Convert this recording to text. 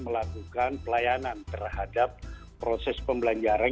melakukan pelayanan terhadap proses pembelajaran